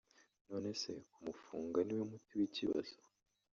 none se kumufunga ni wo muti w’ikibazo